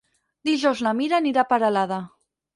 Dijous na Mira anirà a Peralada.